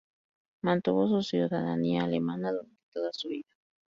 Mantuvo su ciudadanía alemana durante toda su vida.